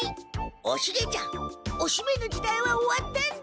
おシゲちゃんおしめの時代は終わったんだ。